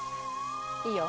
いいよ。